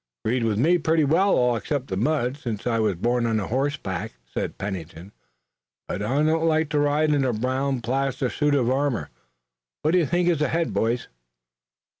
"Agreed with me pretty well, all except the mud, since I was born on horseback," said Pennington. "But I don't like to ride in a brown plaster suit of armor. What do you think is ahead, boys?"